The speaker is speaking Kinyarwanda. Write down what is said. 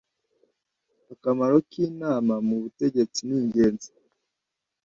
Akamaro k Inama mu Ubutegetsi ningenzi